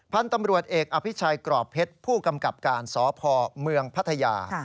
พันธุ์ตำรวจเอกอภิชัยกรอบเพชรผู้กำกับการสพเมืองพัทยา